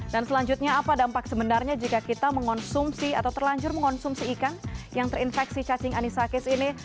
dan selanjutnya apa dampak sebenarnya jika kita mengonsumsi atau terlanjur mengonsumsi ikan yang terinfeksi cacing anisakis ini